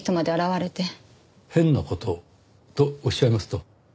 変な事とおっしゃいますと？